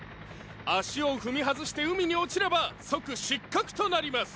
足を踏み外して海に落ちれば即失格となります。